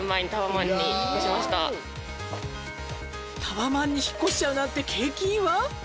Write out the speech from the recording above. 「タワマンに引っ越しちゃうなんて景気いいわ！」